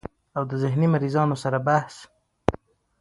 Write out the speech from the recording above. او د ذهني مريضانو سره بحث